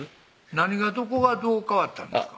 何がどこがどう変わったんですか？